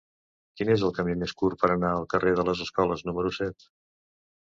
Quin és el camí més curt per anar al carrer de les Escoles número set?